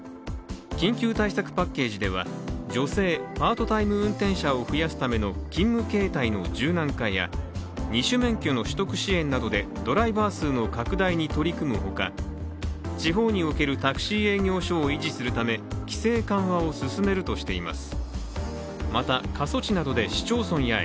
緊急対策パッケージでは女性、パートタイム運転者を増やすための勤務形態の柔軟化や２種免許の取得支援などでドライバー数の拡大に取り組むほか地方におけるタクシー営業所を維持するため規制緩和を進めるとしています。